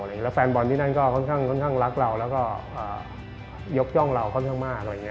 แล้วแฟนบอลที่นั่นก็ค่อนข้างรักเราแล้วก็ยกย่องเราค่อนข้างมาก